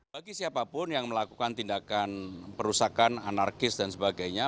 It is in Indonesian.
bagi siapapun yang melakukan tindakan perusakan anarkis dan sebagainya